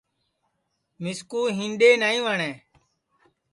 مِسکُو ہِینڈؔے نائیں وٹؔیں